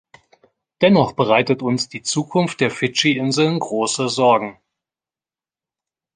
Dennoch bereitet uns die Zukunft der Fidschi-Inseln große Sorgen.